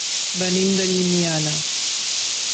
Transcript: Venim de Llimiana.